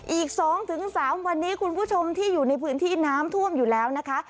อีก๒๓วันนี้คุณผู้ชมที่อยู่ในพื้นที่น้ำท่วมอยู่แล้วนะคะ